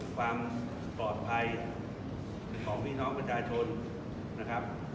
ความปลอดภัยของพี่น้องประชาชนนะครับ